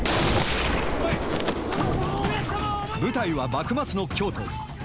舞台は幕末の京都。